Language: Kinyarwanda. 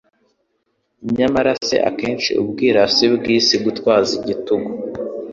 Nyamara se akenshi ubwirasi bw'isi, gutwaza igitugu